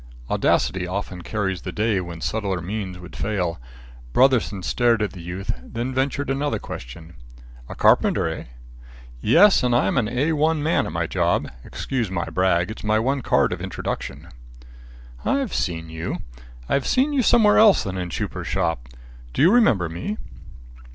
Audacity often carries the day when subtler means would fail. Brotherson stared at the youth, then ventured another question: "A carpenter, eh?" "Yes, and I'm an A1 man at my job. Excuse my brag. It's my one card of introduction." "I've seen you. I've seen you somewhere else than in Schuper's shop. Do you remember me?"